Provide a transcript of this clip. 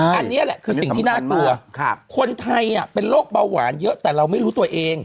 อันนี้แหละคือสิ่งที่น่ากลัวคนไทยเป็นโรคเบาหวานเยอะแต่เราไม่รู้ตัวเอง